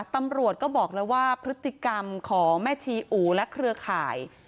ตำรวจก็บอกเลยว่าพฤติกรรมของแม่ชีอู๋และเครือข่าย